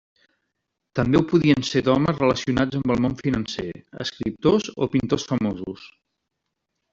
També ho podien ser d'homes relacionats amb el món financer, escriptors o pintors famosos.